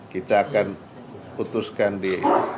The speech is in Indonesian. kita akan putuskan di